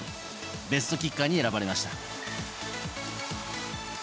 ベストキッカーに選ばれました。